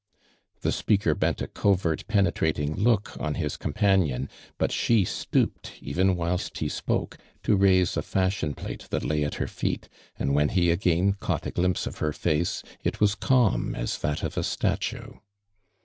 The speaker bent a covert, penetrating look on his companion, but she stooped, even whilst he spoke, to raise a fashion plate that lay at her feet, and when he again caught a glimpse of her face it was calm as that of a statue.